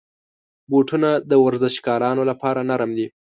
بوټونه د ورزشکارانو لپاره نرم وي.